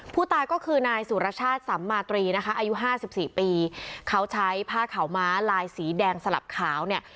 ผู้ตายก็คือนายสุรชาติสัมมาตรีนะคะอายุห้าสิบสี่ปีเขาใช้ผ้าขาวม้าลายสีแดงสลับขาวเนี่ย